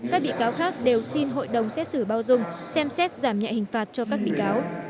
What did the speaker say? các bị cáo khác đều xin hội đồng xét xử bao dung xem xét giảm nhẹ hình phạt cho các bị cáo